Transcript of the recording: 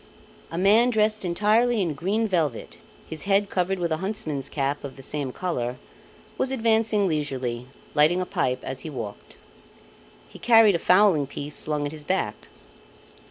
A man dressed entirely in green velvet, his head covered with a huntsman's cap of the same colour, was advancing leisurely, lighting a pipe as he walked. He carried a fowling piece slung at his back.